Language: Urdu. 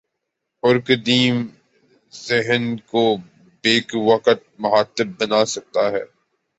اور قدیم ذہن کو بیک وقت مخاطب بنا سکتا ہے۔